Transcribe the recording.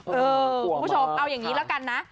คุณผู้ชมเอาอย่างนี้แล้วกันนะ